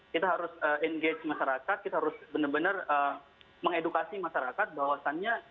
kita harus engage masyarakat kita harus benar benar mengedukasi masyarakat bahwasannya